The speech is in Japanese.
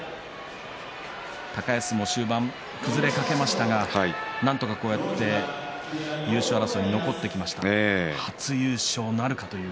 高安も終盤崩れかけましたがなんとか優勝争いに残ってきました。